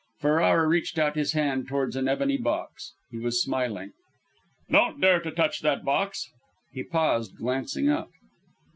Ferrara reached out his hand towards an ebony box; he was smiling. "Don't dare to touch that box!" He paused, glancing up.